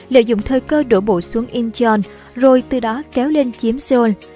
lợi dụng thời cơ đổ bộ xuống incheon rồi từ đó kéo lên chiếm co